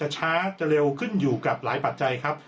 ช้าจะเร็วขึ้นอยู่กับหลายปัจจัยครับ